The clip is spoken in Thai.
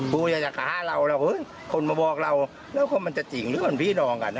กูอย่าจะข้าเราแล้วเฮ้ยคนมาบอกเราแล้วมันจะจริงหรือมันพี่นองกัน